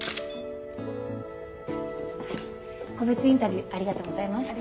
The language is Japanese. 個別インタビューありがとうございました。